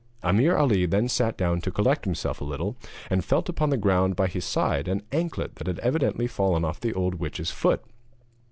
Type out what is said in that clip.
Ameer Ali then sat down to collect himself a little, and felt upon the ground by his side an anklet that had evidently fallen off the old witch's foot.